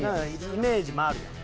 イメージもあるやん。